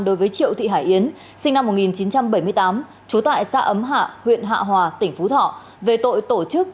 đối với triệu thị hải yến sinh năm một nghìn chín trăm bảy mươi tám trú tại xã ấm hạ huyện hạ hòa tỉnh phú thọ về tội tổ chức